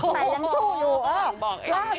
ก็ยังสู้อยู่